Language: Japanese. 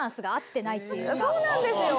そうなんですよ。